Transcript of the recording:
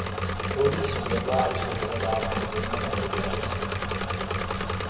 Plody jsou jedlé a jsou vyhledávány zejména v době nedostatku.